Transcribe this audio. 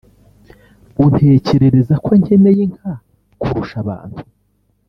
Untekerereza ko nkeneye inka kurusha abantu